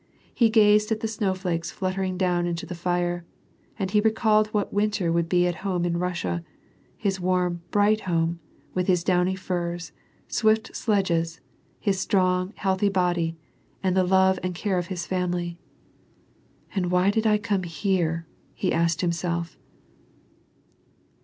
He gazed at the snowflakes fluttering down into the fire, and he recalled what winter would ^ at home in Russia, his warm, bright home, with his downy fnre, swift sledges, his strong, healthy body, and the love and care of his family. " And why did I come here ?" he asked himself.